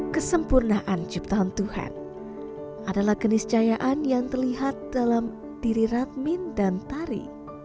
kesempurnaan ciptaan tuhan adalah keniscayaan yang terlihat dalam diri radmin dan tari